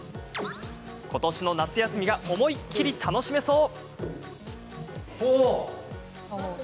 ことしの夏休みが思いっきり楽しめそう。